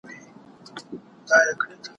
هم ئې پر مخ وهي، هم ئې پر نال وهي.